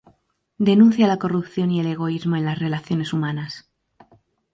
Denuncia la corrupción y el egoísmo en las relaciones humanas.